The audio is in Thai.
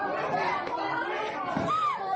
มาแล้วอย่าอย่าอย่าอย่าอย่าอย่า